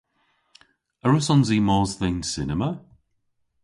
A wrussons i mos dhe'n cinema?